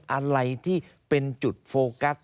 อะไรที่เป็นจุดโฟกัส